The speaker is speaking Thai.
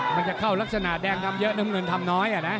มันจะเข้ารักษณะแดงทำเยอะน้ำเงินทำน้อย